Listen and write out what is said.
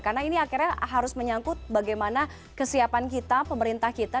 karena ini akhirnya harus menyangkut bagaimana kesiapan kita pemerintah kita